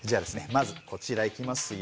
まずこちらいきますよ。